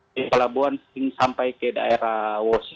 di pelabuhan sampai ke daerah wosi